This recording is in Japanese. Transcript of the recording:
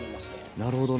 なるほどね。